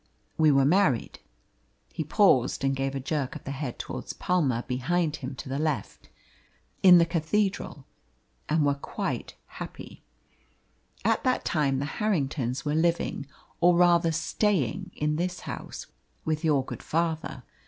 "We were married" he paused and gave a jerk of the head towards Palma, behind him to the left "in the cathedral, and were quite happy. At that time the Harringtons were living, or rather staying, in this house with your good father.